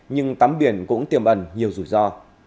con biển cũng tiềm ẩn nhiều rủi ro